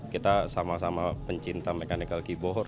kita sama sama pencinta mechanical keybohor